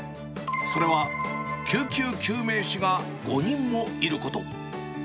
それは救急救命士が５人もいること。